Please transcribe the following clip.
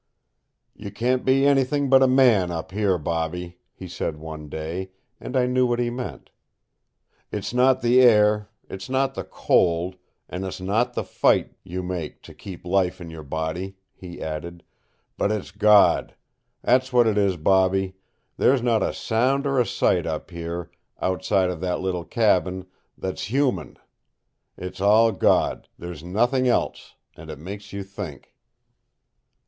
"You can't be anything but a man up here, Bobby," he said one day, and I knew what he meant. "It's not the air, it's not the cold, and it's not the fight you make to keep life in your body," he added, "but it's God! That's what it is, Bobby. There's not a sound or a sight up here, outside of that little cabin, that's human. It's all God there's nothing else and it makes you think!"